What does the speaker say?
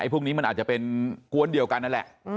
พวกนี้มันอาจจะเป็นกวนเดียวกันนั่นแหละ